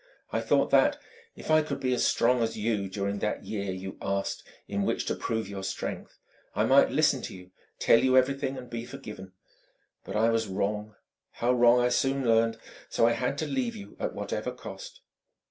I thought that, if I could be as strong as you during that year you asked in which to prove your strength, I might listen to you, tell you everything, and be forgiven.... But I was wrong, how wrong I soon learned.... So I had to leave you at whatever cost!"